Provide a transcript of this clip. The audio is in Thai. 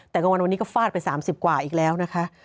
แต่กลางวันวันนี้ก็ฟาดไป๓๐กว่าอีกแล้วนะคะ